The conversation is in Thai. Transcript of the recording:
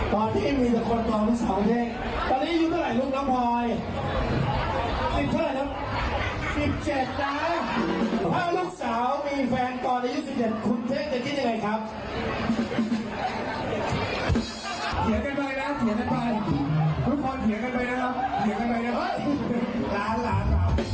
เผียร์กันไปนะล้านล้านล้าน